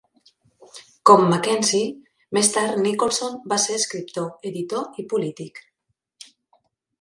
Com MacKenzie, més tard Nicolson va ser escriptor, editor i polític.